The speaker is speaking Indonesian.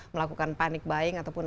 melakukan panik buying ataupun